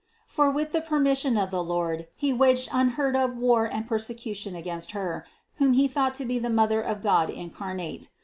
For with the permission of the Lord, he waged unheard of war and persecution against Her, whom he thought to be the Mother of God incarnate.